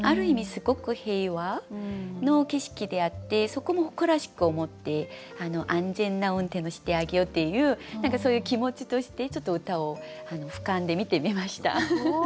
すごく平和の景色であってそこも誇らしく思って安全な運転をしてあげようっていうそういう気持ちとしてちょっと歌をふかんで見てみました。